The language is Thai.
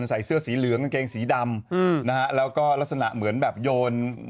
ใส่เสื้อสีเหลืองกางเกงสีดำอืมนะฮะแล้วก็ลักษณะเหมือนแบบโยน